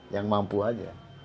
yang mampu aja